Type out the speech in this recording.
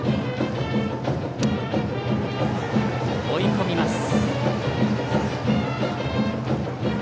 追い込みます。